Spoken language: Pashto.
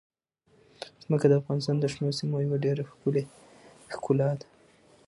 ځمکه د افغانستان د شنو سیمو یوه ډېره ښکلې ښکلا ده.